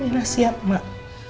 ya siap mak